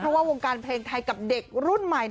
เพราะว่าวงการเพลงไทยกับเด็กรุ่นใหม่